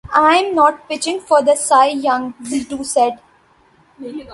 "I'm not pitching for the Cy Young", Zito said.